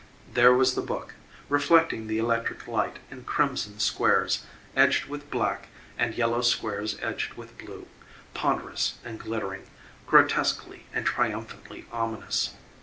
There was the bowl, reflecting the electric light in crimson squares edged with black and yellow squares edged with blue, ponderous and glittering, grotesquely and triumphantly ominous.